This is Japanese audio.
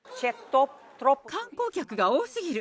観光客が多すぎる。